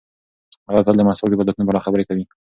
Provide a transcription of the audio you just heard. هغه تل د مسواک د فضیلتونو په اړه خبرې کوي.